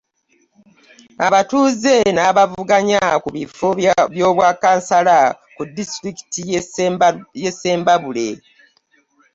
Abatuuze n'abavuganya ku bifo by'obwa kkansala ku disitulikiti ye Ssembabule